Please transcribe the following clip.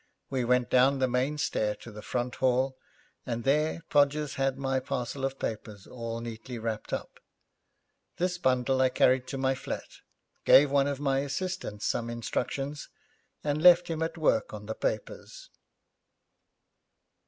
We went down the main stair to the front hall, and there Podgers had my parcel of papers all neatly wrapped up. This bundle I carried to my flat, gave one of my assistants some instructions, and left him at work on the papers.